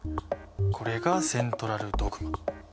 これがセントラルドグマ！